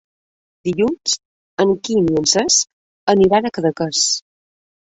Dilluns en Quim i en Cesc aniran a Cadaqués.